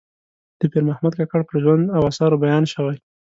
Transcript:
د پیر محمد کاکړ پر ژوند او آثارو بیان شوی.